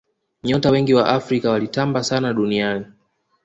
nyota wengi wa afrika walitamba sana duniani